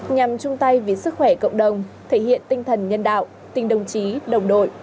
nhằm chung tay vì sức khỏe cộng đồng thể hiện tinh thần nhân đạo tình đồng chí đồng đội